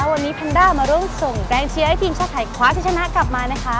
วันนี้แพนด้ามาร่วมส่งแรงเชียร์ให้ทีมชาติไทยคว้าชิดชนะกลับมานะคะ